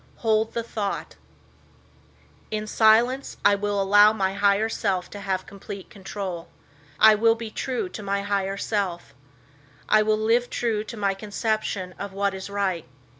Hold the thought: In silence I will allow my higher self to have complete control. I will be true to my higher self. I will live true to my conception of what is right.